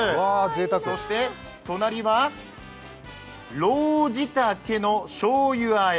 そして隣は、ろうじたけのしょうゆあえ。